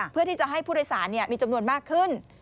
เพื่อที่จะให้ผู้โดยสารมีจำนวนมากขึ้น